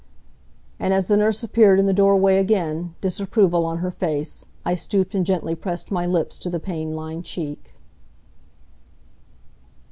And as the nurse appeared in the doorway again, disapproval on her face, I stooped and gently pressed my lips to the pain lined cheek.